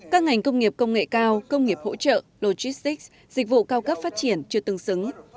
các ngành công nghiệp công nghệ cao công nghiệp hỗ trợ logistics dịch vụ cao cấp phát triển chưa tương xứng